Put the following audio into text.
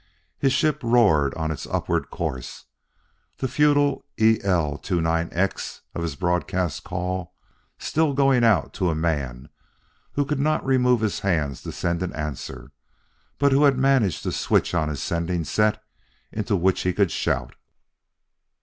His ship roared on in its upward course, the futile "E L 29 X" of his broadcast call still going out to a man who could not remove his hands to send an answer, but who had managed to switch on his sending set into which he could shout.